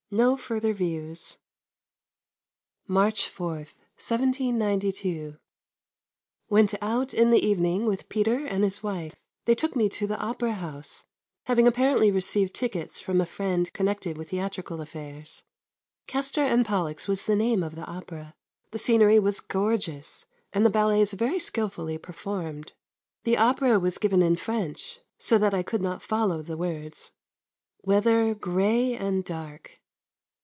No further views. March 4, 1792. Went out in the evening with Peter and his wife. They took me to the Opera House, having apparently received tickets from a friend connected with theatrical affairs. Castor and Pollux was the name of the opera. The scenery was gorgeous, and the ballets very skilfully performed. The opera was given in French, so that I could not follow the words. Weather grey and dark.